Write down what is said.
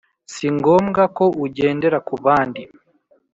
singombwa ko ugendera kubandi